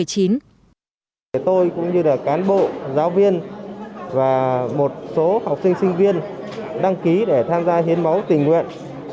các cán bộ giáo viên và một số học sinh sinh viên đăng ký để tham gia hiến máu tình nguyện